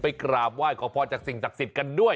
กราบไหว้ขอพรจากสิ่งศักดิ์สิทธิ์กันด้วย